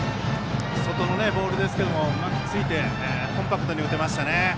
外のボールでしたがうまく突いてコンパクトに打てましたね。